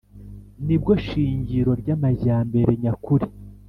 ni bwo shingiro ry’amajyambere nyakuri,